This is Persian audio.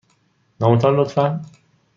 نام تان، لطفاً.